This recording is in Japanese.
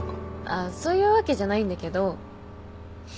あっそういうわけじゃないんだけど。